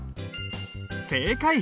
正解！